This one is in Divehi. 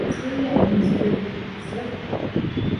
ސީނިޔަރ އެޑްމިނިސްޓްރޭޓިވް އޮފިޝަރ